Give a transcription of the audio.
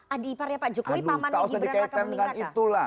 adi ipar ya pak jokowi pamannya gibran raka mendingra